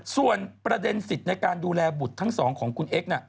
ส่วนประเด็นสิทธิ์ในการดูแลบุตรทั้งสองของคุณเอ็กซ์